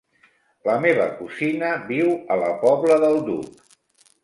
La meva cosina viu a la Pobla del Duc.